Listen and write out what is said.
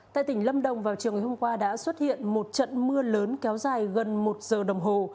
tại tỉnh lâm đồng vào chiều ngày hôm qua đã xuất hiện một trận mưa lớn kéo dài gần một giờ đồng hồ